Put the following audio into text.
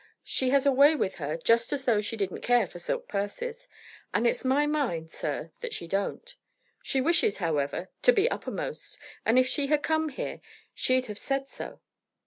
She has a way with her just as though she didn't care for silk purses. And it's my mind, sir, that she don't. She wishes, however, to be uppermost, and if she had come here she'd have said so."